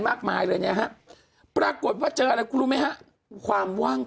มากมายเลยเนี่ยฮะปรากฏว่าเจออะไรคุณรู้ไหมฮะความว่าง